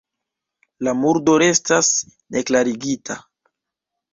La murdo restas neklarigita.